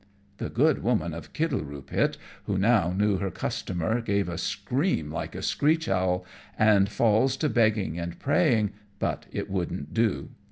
The good woman of Kittleroopit, who now knew her customer, gave a scream like a screech owl, and falls to begging and praying, but it wouldn't do.